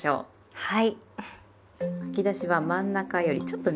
はい。